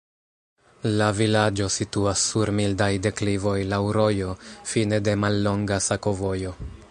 La vilaĝo situas sur mildaj deklivoj, laŭ rojo, fine de mallonga sakovojo.